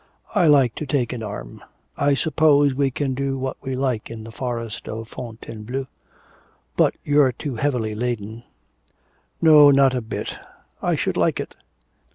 I like to take an arm.... I suppose we can do what we like in the forest of Fontainebleau. But you're too heavily laden ' 'No, not a bit. I should like it.'